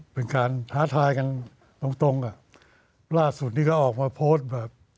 เป็นการท้าทายกันตรงล่าศูนย์ที่ก็ออกมาโพสต์แบบ